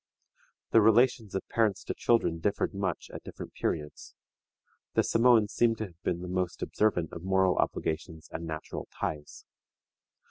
The relations of parents to children differed much at different periods. The Samoans seem to have been the most observant of moral obligations and natural ties.